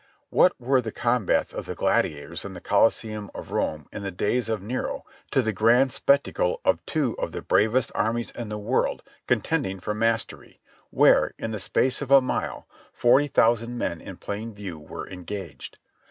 What were the combats of the gladiators in the Coliseum of Rome in the days of Nero to the grand spectacle of two of the bravest armies in the world contending for mastery, where, in the space of a mile, forty thousand men in plain view were engaged.